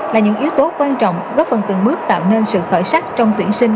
là những yếu tố quan trọng góp phần từng bước tạo nên sự khởi sắc trong tuyển sinh